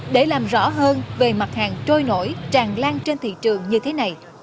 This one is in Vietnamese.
để làm rõ hơn về mặt hàng trôi nổi tràn lan trên thị trường như thế này